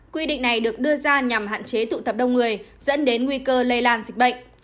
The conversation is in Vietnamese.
quy định này được đưa ra nhằm hạn chế tụ tập đông người dẫn đến nguy cơ lây lan dịch bệnh